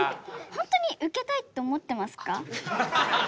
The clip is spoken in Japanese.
本当にウケたいって思ってますか？